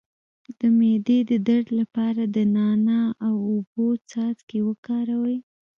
د معدې د درد لپاره د نعناع او اوبو څاڅکي وکاروئ